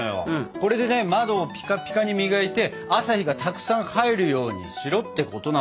これでね窓をピカピカに磨いて朝日がたくさん入るようにしろってことなのかなと思ってさ。